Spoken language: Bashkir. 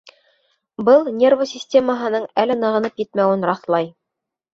Был нервы системаһының әле нығынып етмәүен раҫлай.